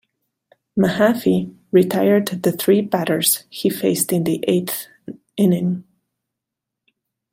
Mahaffey retired the three batters he faced in the eighth inning.